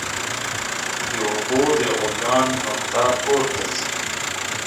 د اوبو د غلیان نقطه پورته ځي.